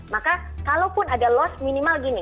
maka kalaupun ada loss minimal gini